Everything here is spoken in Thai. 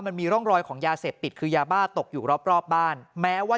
มันมีร่องรอยของยาเสพติดคือยาบ้าตกอยู่รอบรอบบ้านแม้ว่า